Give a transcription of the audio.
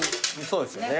そうですよね。